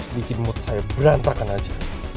bikin mood saya berantakan aja